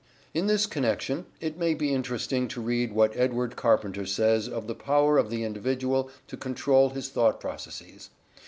In this connection it may be interesting to read what Edward Carpenter says of the power of the individual to control his thought processes.